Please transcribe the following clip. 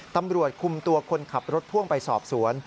ตำรวจคุมตัวคนขับรถพ่วงไปสอบสวน